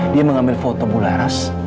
dia mengambil foto bu laras